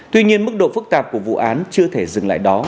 tuy nhiên mức độ phức tạp của vụ án chưa thể dừng lại đó